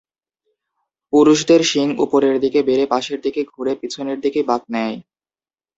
পুরুষদের শিং উপরের দিকে বেড়ে পাশের দিকে ঘুরে পিছনের দিকে বাঁক নেয়।